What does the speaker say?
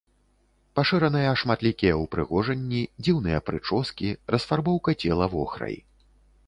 Пашыраныя шматлікія ўпрыгожанні, дзіўныя прычоскі, расфарбоўка цела вохрай.